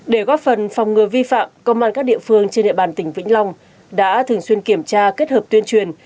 để góp phần phòng ngừa vi phạm công an các địa phương trên địa bàn tỉnh vĩnh long đã thường xuyên kiểm tra kết hợp tuyên truyền